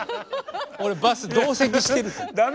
俺バス同席してると思う。